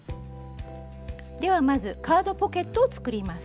ではまずカードポケットを作ります。